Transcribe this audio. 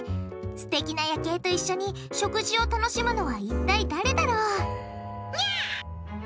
すてきな夜景と一緒に食事を楽しむのはいったい誰だろう？